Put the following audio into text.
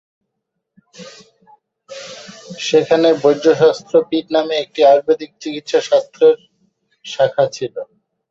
সেখানে বৈদ্যশাস্ত্র পীঠ নামে একটি আয়ুর্বেদিক চিকিৎসাশাস্ত্রের শাখা ছিল।